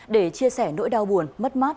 để chia sẻ nỗi đau buồn mất mát